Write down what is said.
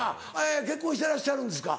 結婚してらっしゃるんですか？